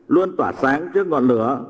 luôn tỏa sáng trước ngọn lửa